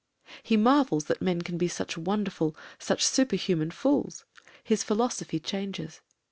... He marvels that men can be such wonderful, such super human fools; his philosophy changes.